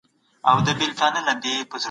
د ګناه لار نه نیول کېږي.